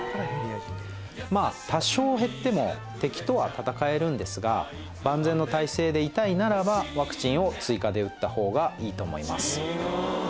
まあ多少減っても敵とは戦えるんですが万全の態勢でいたいならばワクチンを追加で打った方がいいと思います